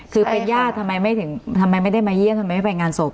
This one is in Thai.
คือเป็นญาติทำไมไม่ได้มาเยี่ยมทำไมไม่ไปงานศพ